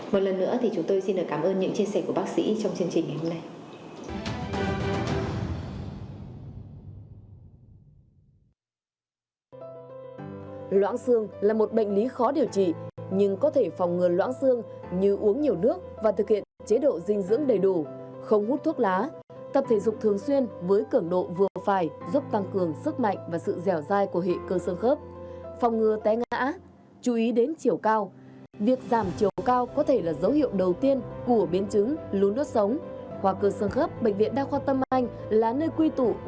một lần nữa thì chúng tôi xin cảm ơn những chia sẻ của bác sĩ trong chương trình hôm nay